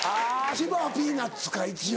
千葉はピーナツか一応。